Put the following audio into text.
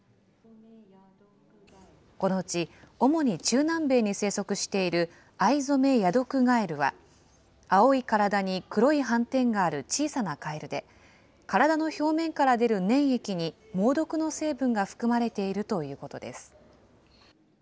このうち主に中南米に生息しているアイゾメヤドクガエルは、青い体に黒い斑点がある小さなカエルで、体の表面から出る粘液に猛毒の成分が含まれているということです。